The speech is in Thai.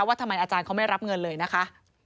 ว่าทำไมอาจารย์เขาไม่รับเงินเลยนะคะ